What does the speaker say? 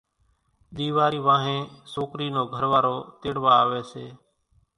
ۮيوارِي وانھين سوڪرِي نو گھروارو تيڙوا آوي سي